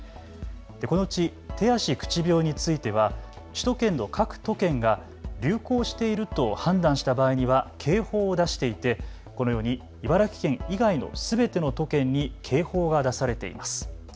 このうち手足口病については首都圏の各都県が流行していると判断した場合には警報を出していてこのように茨城県以外のすべての都県に警報が出されています。